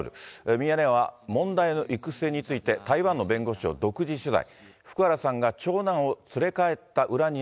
ミヤネ屋は問題の行く末について、台湾の弁護士を独自取材。